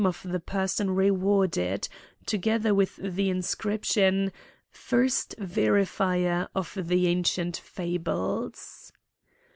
of the person rewarded, together with the inscription, " First verifier of the ancient fables."